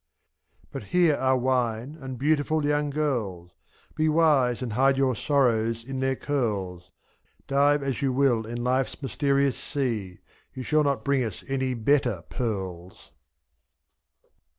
44 But here are wine and beautiful young girls. Be wise and hide your sorrows in their curls, 7y. Dive as you will in life's mysterious sea, You shall not bring us any better pearls.